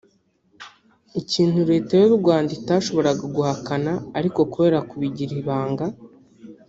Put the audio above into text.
ikintu Leta y’u Rwanda itashoboraga guhakana ariko kubera kubigira ibanga